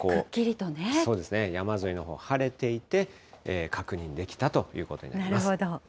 山沿いのほう、晴れていて確認できたということになります。